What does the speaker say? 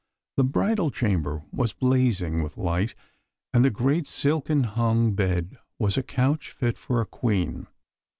The bridal chamber was blazing with light, and the great silken hung bed was a couch fit for a queen.